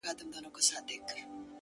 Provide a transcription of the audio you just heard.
o صبر وکړه لا دي زمانه راغلې نه ده؛